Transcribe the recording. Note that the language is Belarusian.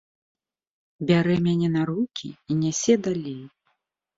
Бярэ мяне на рукі і нясе далей.